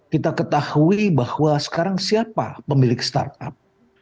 kita ketahui bahwa sekarang siapa pemilik startup